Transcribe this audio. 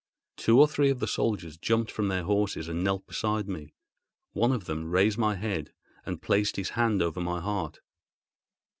Two or three of the soldiers jumped from their horses and knelt beside me. One of them raised my head, and placed his hand over my heart.